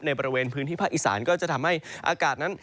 บริเวณพื้นที่ภาคอีสานก็จะทำให้อากาศนั้น